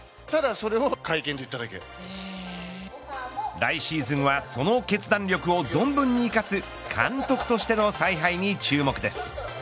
来シーズンはその決断力を存分に生かす監督としての采配に注目です。